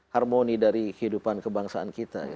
harmoni dari kehidupan kebangsaan kita